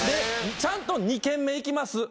ちゃんと２軒目行きます。